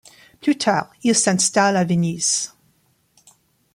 Plus tard, il s'installe à Venise.